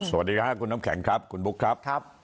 สวัสดีค่ะคุณน้ำแข็งครับคุณบุ๊คครับ